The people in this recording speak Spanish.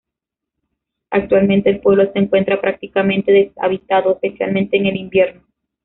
Actualmente el pueblo se encuentra prácticamente deshabitado, especialmente en el invierno.